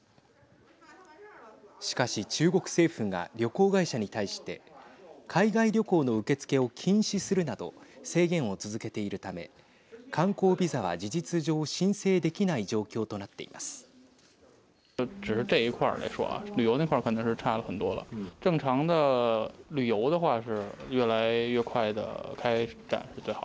しかし中国政府が旅行会社に対して海外旅行の受け付けを禁止するなど制限を続けているため観光ビザは事実上申請できない状況となっています。